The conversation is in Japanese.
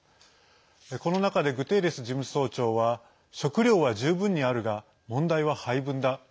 この中でグテーレス事務総長は食料は十分にあるが問題は配分だ。